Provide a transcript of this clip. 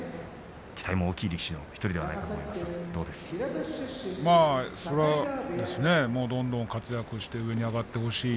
期待も大きい力士の１人だとそれは、どんどん活躍して上に上がってほしい